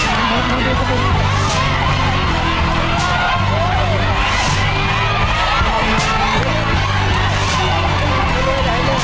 เหยียบได้แขนได้ทำเลย